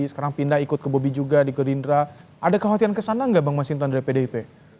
sekarang pindah ikut ke bobi juga di gerindra ada kekhawatiran kesana nggak bang masinton dari pdip